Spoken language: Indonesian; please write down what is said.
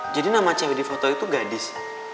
jadi nama cewek di foto itu gadis